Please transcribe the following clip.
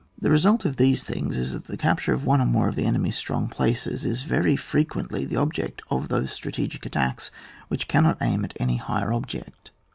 The result of these things is that the capture of one or more of the enemy's strong places, is very frequently the ob ject of those strategic attacks which can not aim at any higher object.